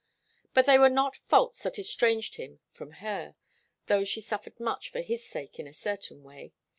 But they were not faults that estranged him from her, though she suffered much for his sake in a certain way.